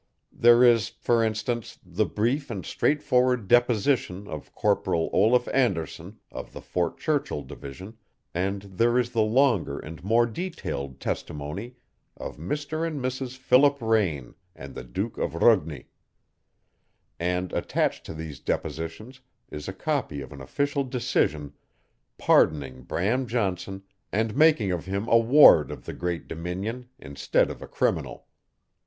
There is, for instance, the brief and straightforward deposition of Corporal Olaf Anderson, of the Fort Churchill Division, and there is the longer and more detailed testimony of Mr. and Mrs. Philip Raine and the Duke of Rugni; and attached to these depositions is a copy of an official decision pardoning Bram Johnson and making of him a ward of the great Dominion instead of a criminal.